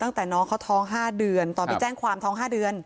ตั้งแต่น้องเขาท้อง๕เดือนตอนไปแจ้งความท้อง๕เดือน